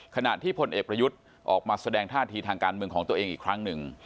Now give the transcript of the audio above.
ขณะที่พลเอกประยุทธ์ออกมาแสดงท่าทีทางการเมืองของตัวเองอีกครั้งหนึ่ง